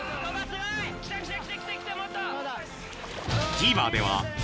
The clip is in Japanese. ＴＶｅｒでは『ザ！